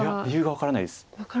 いや理由が分からないです。